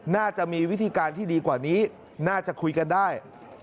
น่าจะมีวิธีการที่ดีกว่านี้น่าจะคุยกันได้